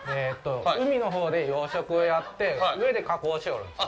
海のほうで養殖をやって上で加工しよるんです。